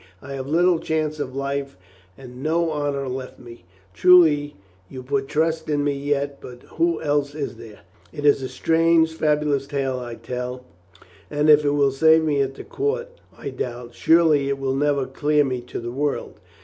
I have little chance of life and no honor left me. Truly, you put trust in me yet, but who else is there? It is but a strange, fabulous tale I can tell and if it will save me at the court I doubt. Surely it will never clear me to the world.